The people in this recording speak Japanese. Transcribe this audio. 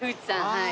はい。